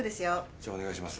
じゃあお願いします。